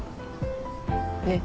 ねっ。